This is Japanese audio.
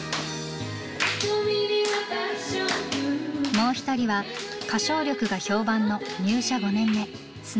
もう一人は歌唱力が評判の入社５年目砂原麻里さん。